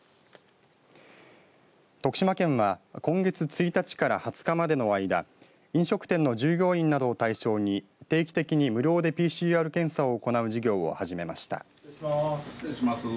徳島県は、今月１日から２０日までの間飲食店の従業員などを対象に定期的に無料でＰＣＲ検査を行う事業を始めました。